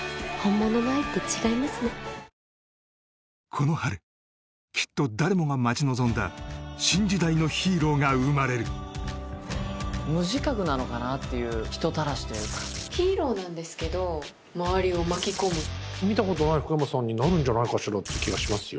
この春きっと誰もが待ち望んだ新時代のヒーローが生まれる無自覚なのかなっていう人たらしというかヒーローなんですけど周りを巻き込む見たことない福山さんになるんじゃないかしらって気がしますよ